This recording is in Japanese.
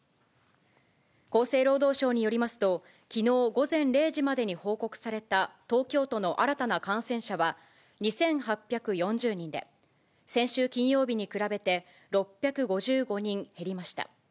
厚生労働省によりますと、きのう午前０時までに報告された東京都の新たな感染者は２８４０人で、先週金曜日に比べて６５５人減りました。